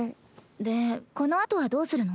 でこのあとはどうするの？